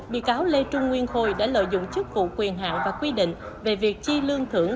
bị cáo lê trung nguyên khôi đã lợi dụng chức vụ quyền hạn và quy định về việc chi lương thưởng